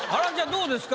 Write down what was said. どうですか？